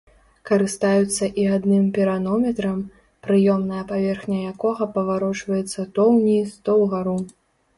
Карыстаюцца і адным піранометрам, прыёмная паверхня якога паварочваецца то ўніз, то ўгару.